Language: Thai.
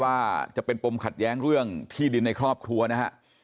ว่าจะเป็นปมขัดแย้งเรื่องที่ดินในครอบครัวนะฮะ